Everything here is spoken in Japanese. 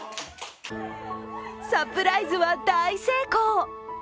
サプライズは大成功！